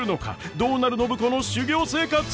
どうなる暢子の修業生活！？